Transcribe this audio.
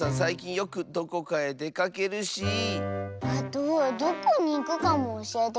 あとどこにいくかもおしえてくれないし。